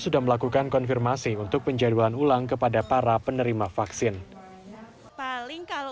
sudah melakukan konfirmasi untuk penjadwalan ulang kepada para penerima vaksin paling kalau